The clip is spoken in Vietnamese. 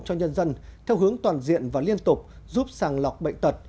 cho nhân dân theo hướng toàn diện và liên tục giúp sàng lọc bệnh tật